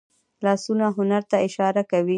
لاسونه هنر ته اشاره کوي